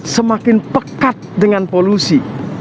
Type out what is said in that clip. semakin pekat dengan polusi